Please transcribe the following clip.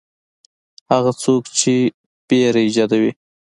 هغه څوک چې وېره ایجادوي.